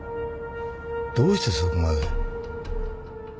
どうしてそこまで？